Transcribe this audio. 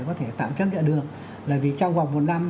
có thể tạm chấp nhận được là vì trong vòng một năm